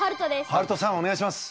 はるとさんお願いします。